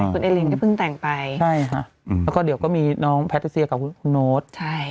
คุณเอลินก็เพิ่งแต่งไปใช่ค่ะแล้วก็เดี๋ยวก็มีน้องแพทติเซียกับคุณโน๊ต